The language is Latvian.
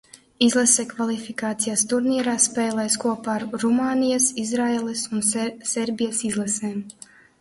Izlase kvalifikācijas turnīrā spēlēs kopā ar Rumānijas, Izraēlas un Serbijas izlasēm.